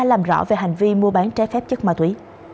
làm rõ về hành vi mua bán trái phép chất ma túy